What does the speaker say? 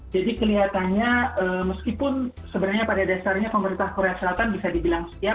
jadi kelihatannya meskipun sebenarnya pada dasarnya pemerintah korea selatan bisa dibilang siap